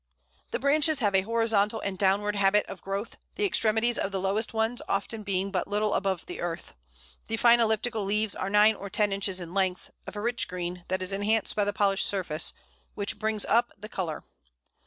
The branches have a horizontal and downward habit of growth, the extremities of the lowest ones often being but little above the earth. The fine elliptical leaves are nine or ten inches in length, of a rich green, that is enhanced by the polished surface, which "brings up" the colour.